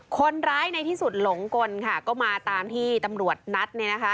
คนร้ายในที่สุดหลงกลก็มาตามที่ตำรวจนัท